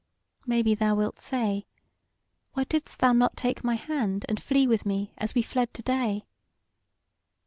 Maybe thou wilt say: Why didst thou not take my hand and flee with me as we fled to day?